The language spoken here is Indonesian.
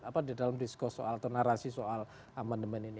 apa di dalam diskus soal atau narasi soal amandemen ini